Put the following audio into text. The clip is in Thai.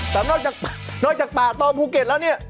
แต่นอกจากนอกจากป่าตองภูเก็ตแล้วเนี่ย